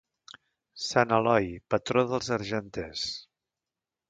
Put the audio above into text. Sant Eloi, patró dels argenters.